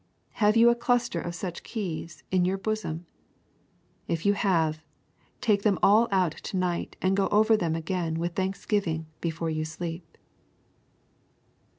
Have you a cluster of such keys in your bosom? If you have, take them all out to night and go over them again with thanksgiving before you sleep.